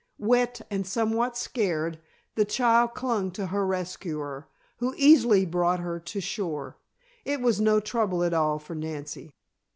Wet and somewhat scared, the child clung to her rescuer, who easily brought her to shore. It was no trouble at all for Nancy.